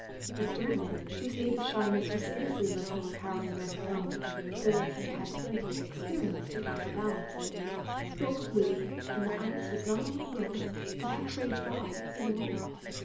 But Dermot, whose native sh3mess was scarcely less overpowering than her own, though he had plenty of experience to counter balance it — spoke of Louis; and the ice was not only broken, but actually thawed, in a moment.